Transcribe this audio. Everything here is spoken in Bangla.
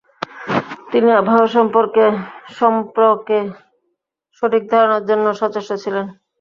তিনি আবহাওয়া সম্প্রকে সঠিক ধারণার জন্য সচেষ্ট ছিলেন।